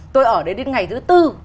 tôi ở đấy đến ngày thứ bốn